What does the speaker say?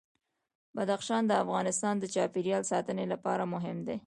بدخشان د افغانستان د چاپیریال ساتنې لپاره مهم دي.